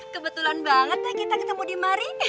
kebetulan banget deh kita ketemu di mari